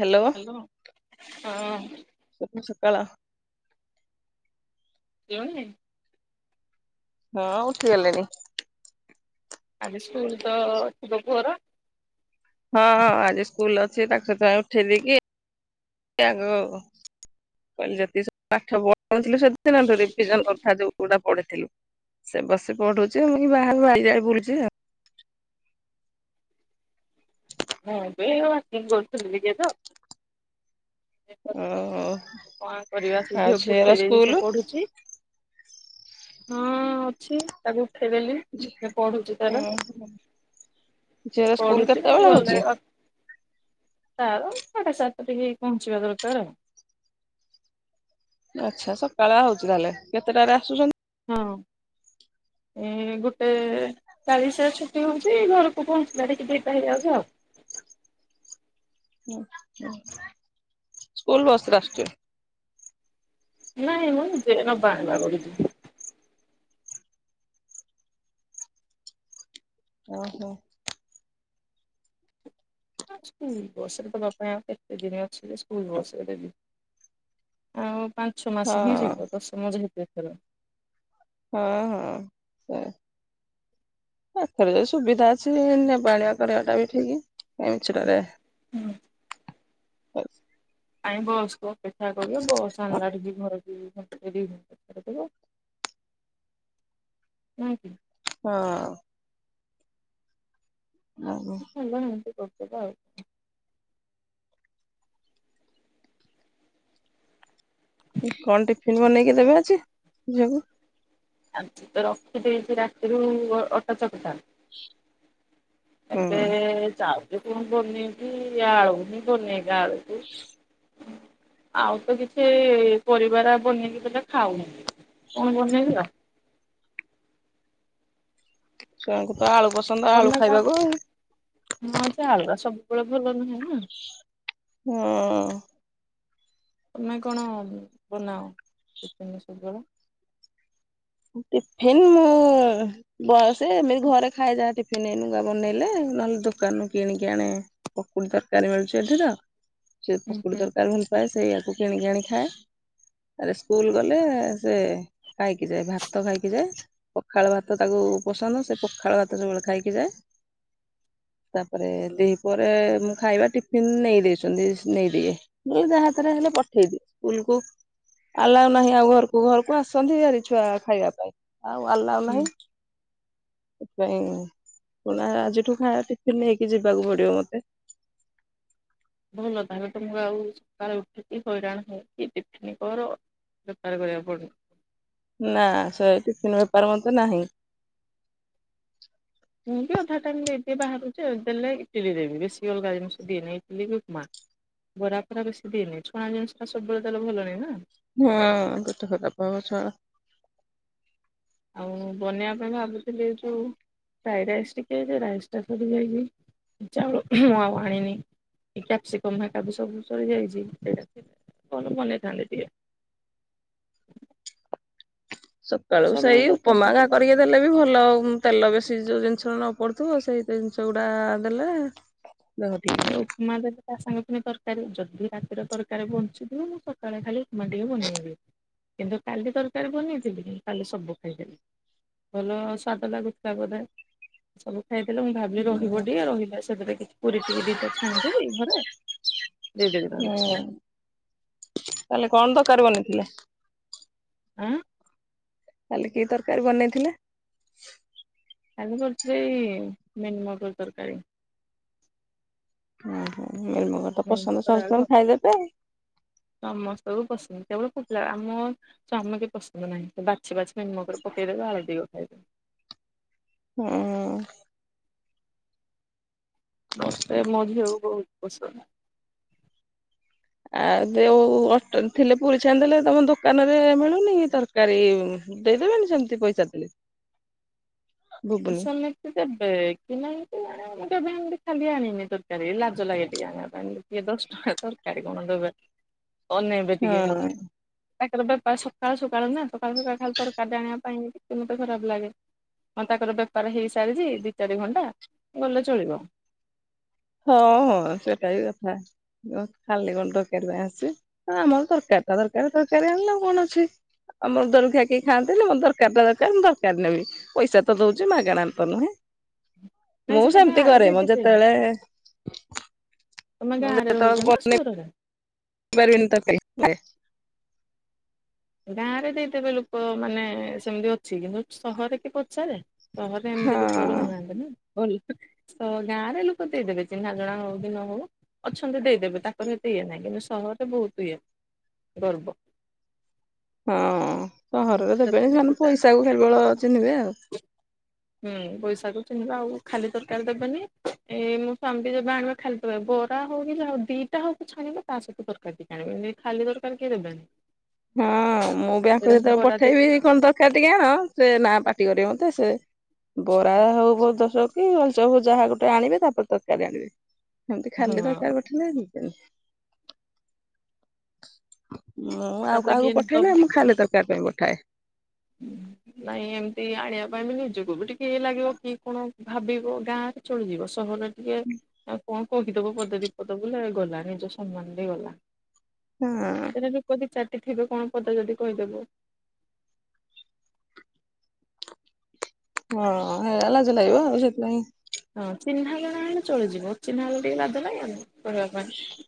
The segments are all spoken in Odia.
ହ୍ୟାଲୋ ହାଲୋ ହଁ। ସକାଳ। ଠିଲୁଣି ହଁ ଉଠିଗଲିଣି। ଆଜି ସ୍କୁଲ ତ ତୋ ପୁଅର? ହଁ ହଁ ଆଜି ସ୍କୁଲ ଅଛି ତାକୁ ସକାଳୁ ଉଠେଇ ଦେଇକି ଏ ଆଗ କହିଲି ଯେତିକି ସବୁ ପାଠ ପଢିଥିଲୁ ସେଦିନ, ରିଭିଜନ କରୁଥା ଯୋଉ ଯୋଉଟା ପଢ଼ିଥିଲୁ। ସେ ବସି ପଢ଼ୁଚି ମୁଁ ଇ ବାହାରୁ ଆଇଯାକେ ବୁଲୁଚି ଆଉ। ମୁଁ ଏବେ ୱର୍କିଙ୍ଗ କରୁଥିଲି ଟିକେ ତ। ଓହୋ କଣ କରିବା, ସେ ଆଉ ଝିଅକୁ ଝିଅର ଉଠେଇଦେଲି ସ୍କୁଲ ସେ ପଢ଼ୁଚି। ହଁ ଅଛି ତାକୁ ଉଠେଇଦେଲି। ସେ ପଢୁଛି ତାର ଓହୋ ଝିଅର ସ୍କୁଲ ପଢୁଛି ମୁଁ କେତେବେଳେ ଗଲେ ହଉଚି? ତାର ସାଢ଼େ ସାତେରେ ହେଇ ପହଞ୍ଚିବା ଦରକାର। ଆଚ୍ଛା ସକାଳା ହଉଚି ତାହେଲେ କେତେଟାରେ ଆସୁଚନ୍ତି? ହଁ ଏ ଗୁଟେ। ଚାଳିଶିରେ ଛୁଟି ହୋଉଚି ଘରକୁ ପହଞ୍ଚିଲା ଟିକି ଦିଟା ହେଇଯାଉଚି ଆଉ। ସ୍କୁଲ ବସରେ ଆସୁଚି? ନାଇଁ ମୁଁ ନିଜେ ନବା ଆଣିବା କରୁଚି। ଓହୋ। ଅ ସ୍କୁଲ ବସରେ ତ ବାବା ଆଉ କେତେ ଦିନ ଅଛି ଯେ ସ୍କୁଲ ବସରେ ଦେବି। ଆଉ ପାଞ୍ଚ ଛଅ ହଁ ମାସେ ହିଁ ଯିବ ଦଶମ ଯେହେତୁ ଏଥର। ହଁ ହଁ ସେ ପାଖରେ ଯଦି ସୁବିଧା ଅଛି, ନେବା ଆଣିବା କରିବାଟା ବି ଠିକି କାଇଁ ମିଛୁଟାରେ କାଇଁ ବସ୍ କୁ ଅପେକ୍ଷା କରିବୁ ବସ୍ ଆଣିଲା କି ଘରକୁ। [unintelligible] ନାହିଁକି? ହଁ। ହେଲା ଏମିତି କରିଦବା ଆଉ କଣ ଟିଫିନ୍ ବନେଇକି ଦେବେ ଆଜି ଝିଅକୁ? ଆଜି ତ ରଖିଦେଇଚି ରାତିରୁ ଅଟାଚକଟା। [inaudible] ଏବେ ଚାଉରେ କଣ ବନେଇବି ଆଳୁହିଁ ବନେଇବି ଆଳୁକୁ ଆଉ ତ କିଛି ପରିବାରେ ବନେଇକି ଦେଲେ ଖାଉନି। କଣ ବନେଇଥିଲ? ଛୁଆଙ୍କୁ ତ ଆଳୁ ପସନ୍ଦ ଆଳୁ ତମେ କଣ ଖାଇବାକୁ। ହଁ ଯେ ଆଳୁଗୁରା ସବୁବେଳେ ଭଲ ନୁହେଁ ନା। ହୁଁ। ତମେ କଣ ବନାଅ ଟିଫିନ୍ ସବୁବେଳେ? ଟିଫିନ୍ ମୁଁ ଭଲସେ ଏମିତି ଘରେ ଖାଇଦବା ଟିଫିନ ବନେଇଲେ ନହେଲେ ଦୁକାନରୁୁ କିଣିକି ଆଣେ। ପକୁଡି ତରକାରୀ ମିଳୁଛି ଏଠି ତ ସେ ହୁଁ ପକୁଡି ହୁଁ ତରକାରୀ ମୁଁ ପ୍ରାୟ ସେଇଆକୁ କିଣିକି ଆକିିଣି ଖାଏ ନହେଲେ ସ୍କୁଲ ଗଲେ ସେ ପାଇକି ଯାଏ ଭାତ। ତ ଖାଇକି ଯାଏ ପଖାଳ ଭାତ ତାକୁ ପସନ୍ଦ ସେ ପଖାଳ ଭାତ ସବୁବେଳେ ଖାଇକି ଯାଏ। ତାପରେ ଦିପହରେ ମୁଁ ଖାଇବା ଟିଫିନ ନେଇଦଇଚନ୍ତି ନେଇଦିଏ। ମୁଁ ଯାହା ହାତରେ ହେଲେ ପଠେଇଦିଏ ସ୍କୁଲକୁୁ। ଆଲାଉ ନାହିଁ ଆଉ ଘରକୁ ଘରକୁ ଆସନ୍ତି ଭାରି ଛୁଆ ଖାଇବା ପାଇଁ ଆଉ ଆଲାଉ ହୁଁ। ନାହିଁ। ସେଥିପାଇଁ ନା ଆଜିଠୁ ଖାଇବା ଟିଫିନ୍ ନେଇକି ଯିବାକୁ ପଡିବ ମତେ। ଭଲ ତାହାଲେ ତ ତମକୁ ଆଉ ସକାଳେ ଉଠିକି ହଇରାଣ ହେଇକି ଟିଫିନ୍ କର [unintelligible] କରିବା ପଡ଼ୁ। ନା ସେ ଟିଫନ୍ ବେପାର ମତେ ନାହିଁ। ମୁଁ ବି ଅଧା ଟାଇମ ଟି ବାହାରୁଛି ଦେଲେ ଇଟିଲି ଦେବି ବେଶୀ ଅଲଗା ଜିନିଷ ଦିଏନି ଇଟିଲି କି ଉପମା। ବରା ଫରା ବେଶୀ ଦେଇନି ଛଣା ଜିନିଷା ସବୁବେଳେ ତାହେଲେ ଭଲ ନାହିଁ ନା। ହଁ ଗୋଟେ [unintelligible] ଆଉ ବନେଇବା ପାଇଁ ଭାବୁଥିଲି ଏ ଯେଉଁ ଫ୍ରାଇ ରାଇସ୍ ଟିକେ ଯେ ରାଇସ୍ ଟା ସରିଯାଇଛି। ଚାଉଳ ମୁଁ ଆଉ ଆଣିନି କ୍ୟାପସିକମ ହେରୀକା ବି ସବୁ ସରିଯାଇଛି ସେଇଟା କଣଟେ ବନେଇଥାନ୍ତେ ଟିକେ। ସକାଳୁ ସମୟ ସେଇ ଦରକାର ଉପମା ହେକା ତାକୁ। କରିକି ଦେଲେ ବି ଭଲ ତେଲ ବେଶୀ ଯୋଉ ଜିନିଷ ନ ପଡୁଥିବ ସେଇ ଜିନିଷ ଗୁଡା ଦେଲେ [unintelligible] ଏ ଉପମା ଦେବ ତା ସାଙ୍ଗ ପାଇଁ ତରକାରୀ ଯଦି ରାତିର ତରକାରୀ ବଞ୍ଚିଥିବ ମୁଁ ତଳେ ଖାଲି ଉପମା ଟିକେ ବନେଇବି କିନ୍ତୁ କାଲି ତରକାରୀ ବନେଇଥିଲି କାଲି ସବୁ ଖାଇଦେଲି। ଭଲ [unintelligible] ବୋଧେ ସବୁ। ଖାଇଦେଲେ ମୁଁ ଭାବିଲି ରହିବ ଟିକେ ରହିଲେ ସେଥି କିଛି ପୁରୀ ଦି ଦି ଟା ଛାଣିଦେବି ଘରେ ଦେଇଦେବି ତାକୁ। ତାହଲେ କଣ ଦରକାର ବନେଇଥିଲେ। ଆଁ କାଲି କି ତରକାରୀ ବନେଇଥିଲେ? ଆମ କରିିଥିଲି ମିନ ମକର ତରକାରୀ। ଓହୋ ମିଲମିଗର ତ ମିଲ୍ ପସନ୍ଦ ସମସ୍ତେଙ୍କୁ ଖାଇଦେବେ ଆଉ। ସମସ୍ତଙ୍କୁୁ ପସନ୍ଦ କେବଳ ପିଲା ଆମ ତ ଆମେ କେଁ ପସନ୍ଦ ନାହିଁ ବାଛି ବାଛି ମୋ କରକୁ ପକେଇଦେବେ ଆଳୁ ତିକ ଖାଇବେ ହୁଁ। ମୋତେ ମୋ ଝିଅକୁ ବହୁତ ପସନ୍ଦ। ଆଉ ଯୋଉ ଅଟା ଥିଲେ ପୁରୀ ଛାଣି ଦେଲେ ତମ ଦୋକାନ ରେ ମିଳୁନି ତରକାରୀ ଦେଇଦେବେନି ସେମିତି ପଇସା ଦେଲି ସମୟ ସେ ଦେବ କି ନାହିବେ ନାହି କେଇଜାଣି ଦେବେ ନି ବୋଲି ଖାଲି ଆଣିନି ତରକାରୀ ଲାଜ ଲାଗେ ଟିକେ ଆଣି ବା ପାଇଁ ଇଏ ଦଶ ଟଙ୍କା ରେ ତରକାରୀ କଣ ଦେବେ ଅନେଇବେ ହଁ ଟିକେ ତାଙ୍କର ବେପାର ସକାଳୁ ସକାଳୁ ନା ସକାଳୁରୁ ସକାଳୁ ଖାଲି ତରକାରୀ ଆଣିବା ପାଇଁ ମୋତେ ଖରାପ ଲାଗେ। ହଁ ତାଙ୍କର ବେପାର ହେଇସାରିଛି ଦୁଇ ଚାରି ଘଣ୍ଟା ଗଲେ ଚଳିବ ହଁ ହଁ ସେଟା ବି କଥା। ହଁ ଖାଲି କଣ ତରକାରୀ ପାଇଁ ଆସିଚି ହଁ ଆମର ତରକାରୀ ଟା ଦରକାର ତରକାରୀ ଆଣିଲେ ଆଉ କଣ ଅଛି। ଆମର ଦର୍ଘା କେ ଖାଆନ୍ତି ମୋର ଦରକାର ତରକାରୀ ଟା ମୁଁ ତରକାରୀ ନେବି ପଇସା ତ ଦଉଛି ମାଗଣା ତ ନୁହେଁ ନାଇଁ ମୁଁ ସେଟା ସେମିତି ଗାଁରେ କରେ ମୁଁ ଦେଇଦେବେ ଯେତେବେଳେ। ତମେ ଗାଁରେ ରହୁଛ ନା ସହରରେ କରିପାରିବନି ତରକାରୀ ଏତେ ଗାଁ ରେ ଦେଇଥବେ ଲୋକ ମାନେ ସେମିତି ଅଛି କିନ୍ତୁ ସହରରେ କିଏ ପଚାରେ ସହରେ ଏମିତି ଲୋକ ହଁ ରହୁଉନାହାନ୍ତି ନା ଭଲ ତ ଗାଁରେ ଲୋକ ଦେଇଦେବେ ଚିହ୍ନା ଜଣା ହଉ କି ନ ହଉ ଅଛନ୍ତି ଦେଇଦେବେ ତାଙ୍କର ଏତେ ଇଏ ନାହିଁ କିନ୍ତୁ ସହରରେ ବହୁତ ଇଏ ଗର୍ବ ହଁ ସହରରେ ସେମାନେ ଦେବେନି ସେମାନେ ଫୁଟା ପଇସା କ କେବଳ ଚିହ୍ନିବେ ଆଉ। ହୁଁ ପଇସା କୁ ଚିହ୍ନିବା ଆଉ ଖାଲି ତରକାରୀ ଦେବନି ଏଇ ମୋ ସ୍ୱମୀ ବି ଯେବେ ଆଣିବେ। ଖାଲି ତରକାରୀ ବରା ହଉ କି ଯା ହଉ ଦିଟା ହଉ ପଛେ ଆଣିବ ତା ସହିତ ତରକାରୀ ଟିକେ ଆଣିବ ଏମିତି ଖାଲି ତରକାରୀ କିଏ ଦେବେନି। ହଁ ମୁଁ ବି ଆଙ୍କୁ ସେରା ଯେତେବେଳେ ବରା ଦି ପଠେଇବି କଣ ତରକାରୀ ଟିକେ ଆଣେ ସେ ନା ପାଟି କରିବ ମତେ ସେ ବରା ହଉ ବ ପଚାଶ ଟଙ୍କା ରେ କିଉ ଆଳିଚପ ଯାହା ଗୋଟେ ଆଣିବେ ତାପ ରେ ତରକାରୀ ଆଣିବେ ଏମିତି ହଁ ଖାଲି ତରକାରୀ ରେ ଖାଲି ଏଇ ଭିତରେ ମୁଁ ଆଉ ତାପରେ କାହାକୁ କିଏ ଦବ ପଠେଇଲେ ମୁ ଖାଲି ତରକାରୀ ପାଇଁ ପଠାଏ। ହୁଁ ନାଇଁ ଏମିତି ଆଣିବା ପାଇଁ ବି ନିଜକୁ ବି ଟିକେଇ ଲାଗିବ କି କଣ ଭାବିବ ଗାଁ ରେ ଚଳିଯିବ ସହରରେ ଟିକେ କଣ କହିଦବ ପଦେଦୀପଦ ବୋଲେ ଗଲା ନିଜ ସ୍ନମାନ ଟି ଗଲା। ହଁ। ସେଠି ଲୋକ ଦୁଇ ଚାରଟିଥିବେ କଣ ପଦ ଯଦି କହିଦେବ। ହଁ ହେରା ଲାଜ ଲାଗିବ ଆଉ ସେଥିପାଇଁ ହଁ ଚିହ୍ନା ଜଣା ହେଲେ ଚଳିଯିବ ଅଚିହ୍ନା ହେଲେ ଟିକେ ଲାଜ ଲାଗିବ ନି କହିବା ପାଇଁ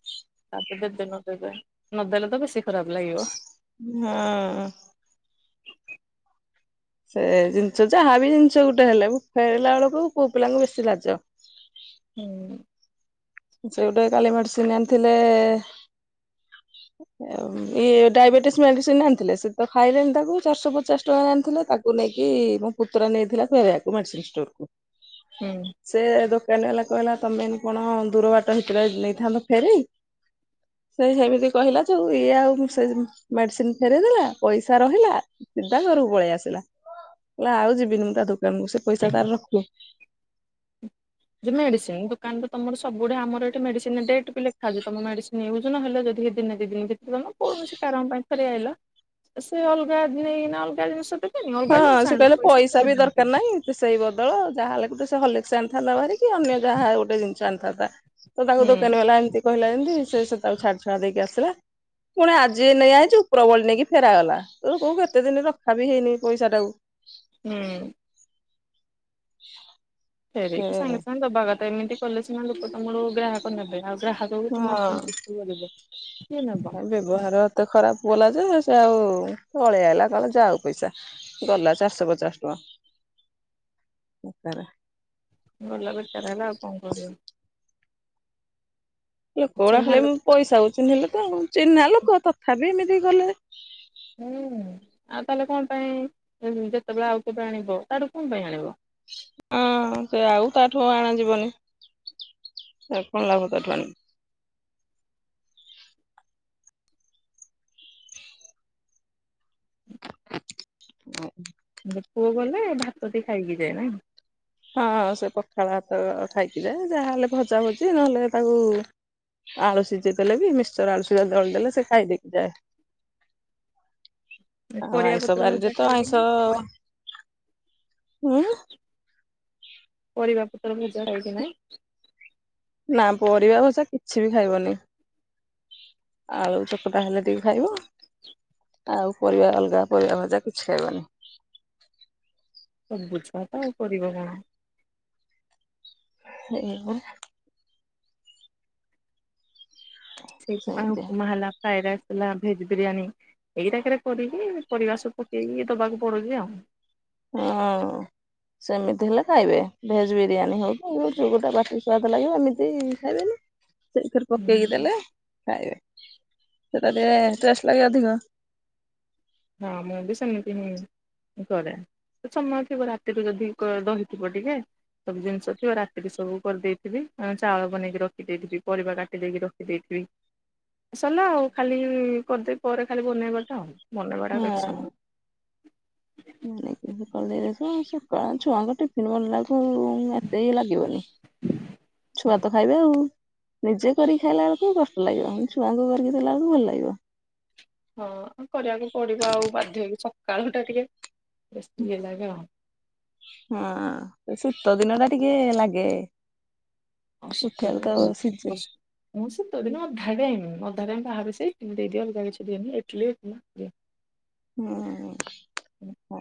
ଦେବେ ନ ଦେବେ ନ ଦେଲେ ତ ବେଶୀ ଖରାପ ଲାଗିବ। ହୁଁ ହଁ। ସେ ଭଳିଆ ଜିନିଷ ଯାହା ବିି ଜିନିଷ ଗୋଟେ ହେଲେ ଫେରିଲା ବେଳକୁ ପୁଅ ପିଲାଙ୍କୁ ବେଶୀ ଲାଜ। ହୁଁ। ଯେଉଁ ଟା କାଲି ମେଡିସିନ ଆଣିଥିଲେ ଏମିତି ଇଏ ଡାଇବେଟିସ୍ ମେଡିସିନ ଆଣିଥିଲେ ସେ ତ ଖାଇଲେନି ତାକୁ ଚାରିଶହ ପଚାଶ ଟଙ୍କା ଆଣିଥିଲେ ତାକୁ ନେଇକି ମୋ ପୁତୁରା ନେଇଥିଲା ଫେରେଇବାକୁ ମେଡିସିନ ଷ୍ଟୋର କୁ ହୁଁ। ସେ ଦୋକାନ ବାଲା କହିଲା ତମେ କଣ ଦୂର ବାଟ ହେଇଥିଲେ ନେଇଥାନ୍ତ ଫେରେଇ। ସେଇ ସେମିତି କହିଲା ଯୋଉ ଇଏ ଆଉ ସେ ମେଡିସିନ ଫେରଇଦେଲା ପଇସା ରହିଲା। ସିଧା ଘରୁକୁ ପଳେଇ ଆସିଲା କହିଲା ଆଉ ଯିବିନି ମୁଁ ତା ଦୋକାନକୁ ସେ ପଇସା ତାର ରଖୁ। ଯେ ମେଡିସିନ ଦୁକାନ ତ ତମର ସବୁଠେ ଆମର ଏଠି ମେଡିସିନ ଡେଟ ବି ଲେଖାହଉଚି ତମ ମେଡିସିନ ୟୁଜ୍ ନହେଲେ ଯଦି ଦିନେ ଦି ଦିନି ବିକୁଥିବ ନା ତମ କୌଣସି କାରଣ ପାଇଁ ଫେରେଇ ଆଇଲ ସେ ଅଲଗା ନେଇନା ଅଲଗା ଜିନିଷ ତ। ନାଇଁ ଅଲଗା ଜିନିଷ ଆଣିବୁ ପଇସା ତ ଦେବେନି କେହି। ତୁ ସେଇ ବଦଳ ଯାହା ହେଲେ ଗୋଟେ ସେ ହଲିକ୍ସ ଆଣିଥାନ୍ତା ଭାରି କି ଅନ୍ୟ ଯାହା ଗୋଟେ ଜିନିଷ ଆଣିଥାନ୍ତା। ତ ତାକୁ ଦୋକାନୀ ବାଲା ଏମତି କହିଲା ଯେମତି ସେ ସେତକ ଛାଡି ଛାଡ ଦେଇକି ଆସିଲା। ପୁଣି ଆଜି ନେଇଆଇଚୁ ଉପରବଳି ନେଇକି ଫେରାଗଲା ତୋର କୋଉ କେତେ ଦିନି ରଖା ବି ହେଇନି ପଇସାଟାକୁ। ହୁଁ। [unintelligible] ସେ ଫେରେଇକି ସାଙ୍ଗେ ସାଙ୍ଗେ ଦବା କଥା ଏମିତି କଲେ ସେମାନେ ଲୋକ ତମଠୁ ଗ୍ରାହକ ନେବେ ଆଉ ଗ୍ରାହକକୁ ତମେ ଅସନ୍ତୁଷ୍ଟ। ପ୍ରିୟ ଦେବେ। ତାର ବ୍ୟବହାର ଏତେ ଖରାପ କଲା ଯେ ସେ ଆଉ ପଳେଇଆଇଲା କହିଲା ଯାଉ ପଇସା। ଗଲା ଚାରିଶହ ପଚାଶ ଟଙ୍କା ବେକାରା। ଗଲା ବେକାର ହେଲା ଆଉ କଣ କରିବ। ଲୋକଗୁଡା ଚିହ୍ନା ଖାଲି ଉମ୍ ଲୋକ ପଇସା କୁ ଚିହ୍ନିଲେ ତ ଆଉ ଚିହ୍ନା ଲୋକ ତଥାବି ଏମିତି କଲେ। ହୁଁ ଆଉ ତାହାଲେ କଣପାଇଁ ଯେତେବେଳେ ଆଉ କେବେ ଆଣିବ ତାଠୁ କଣ ପାଇଁ ଆଣିବ। ଆଁ ସେ ଆଉ ତାଠୁ ଆଣା ଯିବନି ଆଉ କଣ ଲାଭ ତାଠୁ ଆଣିବୁ। [inaudible] [unintelligible] ଯେ ପୁଅ ଗଲେ ଭାତଟି ଖାଇକି ଯାଏ ନା କି? ହଁ ସେ ପଖାଳ ଭାତ ଖାଇକି ଯାଏ ଯାହାହେଲେ ଭଜା ଭଜି ନହଲେ ତାକୁ। ଆଳୁ ସିଜେଇ ଦେଲେ ବି ମିକ୍ସଚର ଆଳୁ ସିଜା ଦଳିଦେଲେ ସେ ଖାଇଦେଇକି ଯାଏ। ଏ ଆଉ ଆଇଁଷ ପରିବାପତ୍ର ବାରିରେ ଭଜା ତ ଖାଏ ଆଇଁଷ କି ନାଇଁ? ଉଁ ପରିବା ପତ୍ର ଭଜା ଖାଏ କି ନାଇଁ? ନାଁ ପରିବା ଭଜା କିଛି ବି ଖାଇବନି। ଆଳୁ ଚକଟା ହେଲେ ଟିକେ ଖାଇବ। ଆଉ ପରିବା ଅଲଗା ପରିବା ଭଜା କିଛି ଖାଇବନି। ସବୁ ଛୁଆ ତ ଆଉ କରିବ କଣ। [unintelligible] ହୋ। ସେଇଥିପାଇଁ ସେମିତିଆ ଉପମା ହେଲା ଫ୍ରାଏରାଇସ୍ ହେଲା ଭେଜ୍ ବିରିୟାନୀ। ଏଇରାକେରେ କରିକି ପରିବା ସବୁ ପକେଇକି ଦବାକୁ ପଡୁଚି ଆଉ। ହଁ। ସେମିତି ହେଲେ ଖାଇବେ ଭେଜ୍ ବିରିୟାନୀ ହଉ କି ଯୋଉ ଗୋଟା ପାଟିକି ସୁଆଦ ଲାଗିବ ଏମିତି ଖାଇବେନା। ସେଇଥିରୁ ପକେଇକି ଦେଲେ ଖାଇବେ ସେଟା ଟିକେ ଟେଷ୍ଟ ଲାଗେ ଅଧିକ। ହଁ ମୁଁ ବି ସେମିତି ହୁଁ। କରେ ସମୟ ଥିବ ରାତିରୁୁ ଯଦି ଦହିଥିବ ଟିକେ। ସବୁ ଜିନିଷ ଥିବ ରାତିକୁ ସବୁ କରିଦେଇଥିବି ଆଁ ଚାଉଳ ବନେଇକି ରଖିଦେଇଥିବି ପରିବା କାଟିଦେଇକି ର ଖିଦେଇଥିବି ସଲା ଆଉ ଖାଲି କରିଦେବି ପରେ ଖାଲି ବନେଇବାଟା ଆଉ। ବନେଇବାଟା କେତେ ସମ। [unintelligible] ସକାଳେ ଛୁଆଙ୍କ ଟି ଦିନମାନ ଯାଉଥିବ କିନ୍ତୁ ଏତେ ଇଏ ଲାଗିବନି ଛୁଆ ତ ଖାଇବେ ଆଉ। ନିଜେ କରିକି ଖାଇଲା ବେଳୁକୁ କଷ୍ଟ ଲାଗିବ ଛୁଆଙ୍କୁ କରିକି ଦେଲାବଳୁକୁ ଭଲ ଲାଗିବ। ହଁ ଆଉ କରିବାକୁ ପଡିବ ଆଉ ବାଧ୍ୟ ହେଇକି ସକାଳଟା ଟିକେ ବେଶୀ ଇଏ ଲାଗେ ଆଉ। ହଁ ଏଇ ଶୀତ ଦିନିଆ ଟା ଟିକେ ଲାଗେ। ଶୀତ ଦିନ ଉଠିବାକୁ ତ ବହୁତ ସିଜେ। କଷ୍ଟ। ମୁଁ ଶିତ ଦିନ ଅଧା ଟାଇମ୍ ଅଧା ଟାଇମ୍ ବାହାରେ ସେମତି ଦେଇଦିଅ ଅଲଗା କିଛି ଦିଅନ୍ତି, ଇଟ୍ ଲି ହୁଁ- ଉଁ- ଉଁ- ଉ-ଉ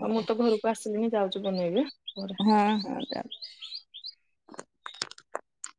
ଆଉ ମୁଁ ତ ଘରକୁ ଆସିଲି ଯାଉଛି ବନେଇବି ପରେ ହଁ- ହଁ ଯାଉଛି।